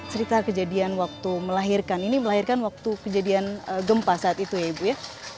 cerita kejadian waktu melahirkan ini melahirkan waktu kejadian gempa saat itu ya ibu ya